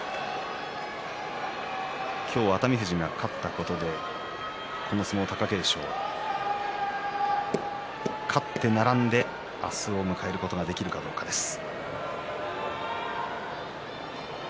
今日、熱海富士が勝ったことでこの相撲、貴景勝勝って並んで明日を迎えることができるかどうかです。